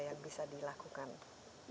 yang bisa dilakukan